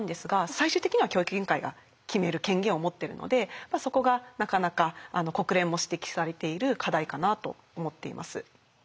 最終的には教育委員会が決める権限を持っているのでそこがなかなか国連も指摘されている課題かなと思っています。